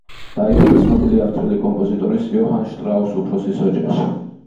დაიბადა ცნობილი ავსტრიელი კომპოზიტორის იოჰან შტრაუს უფროსის ოჯახში.